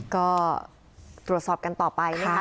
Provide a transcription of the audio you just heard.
ก็ตรวจสอบกันต่อไปนะคะ